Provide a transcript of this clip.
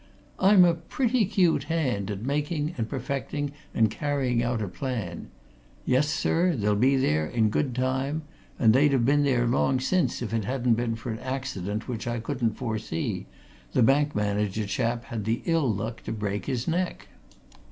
"I'm a pretty cute hand at making and perfecting and carrying out a plan. Yes, sir, they'll be there, in good time and they'd have been there long since if it hadn't been for an accident which I couldn't foresee that bank manager chap had the ill luck to break his neck.